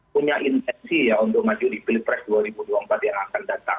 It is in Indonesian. punya intensi ya untuk maju di pilpres dua ribu dua puluh empat yang akan datang